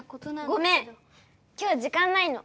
ごめん今日は時間ないの。